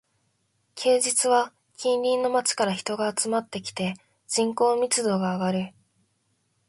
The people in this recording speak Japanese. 休日は近隣の街から人が集まってきて、人口密度が上がる